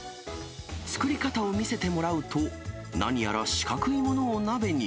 作り方を見せてもらうと、何やら四角いものを鍋に。